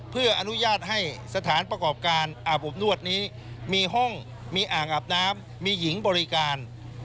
เพื่ออนุญาตให้สถานประกอบการอาบอบนวดนี้มีห้องมีอ่างอาบน้ำมีหญิงบริการ